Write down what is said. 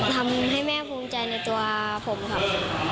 ทำให้แม่ภูมิใจในตัวผมครับ